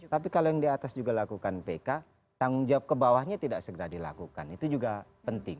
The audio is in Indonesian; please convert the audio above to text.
tapi kalau yang di atas juga lakukan pk tanggung jawab ke bawahnya tidak segera dilakukan itu juga penting